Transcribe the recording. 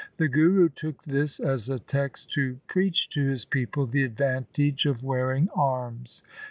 The Guru took this as a text to preach to his people the advantage of wearing arms.